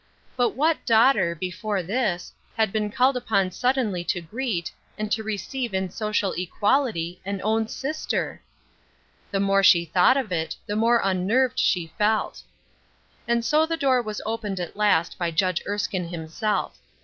But what daughter, before 10 Ruth Erskine^s Crosset, this, had been called upon suddenly to greet, and to receive in social equality an own sister ? The more she thought of it, the more unnerved she felt. And so the door was opened at last by Judge Erskine himself.